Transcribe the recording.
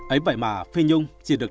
ấy vậy mà phi nhung chỉ được